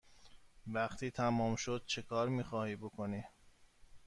وقتی تمام شد چکار می خواهی بکنی؟